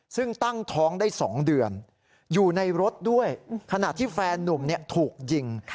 ซึ่งตั้งท้องได้๒เดือนอยู่ในรถด้วยขณะที่แฟนนุ่มถูกยิง